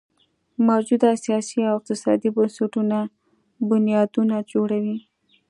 موجوده سیاسي او اقتصادي بنسټونه بنیادونه جوړوي.